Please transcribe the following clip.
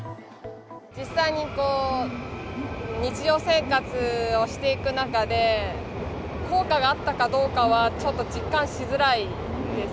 実際に日常生活をしていく中で、効果があったかどうかはちょっと実感しづらいです。